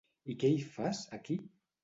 I què hi fas, aquí?